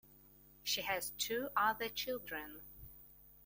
She has two other children.